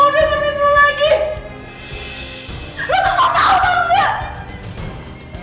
dan lucu kayak kami